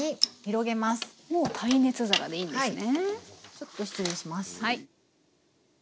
ちょっと失礼します。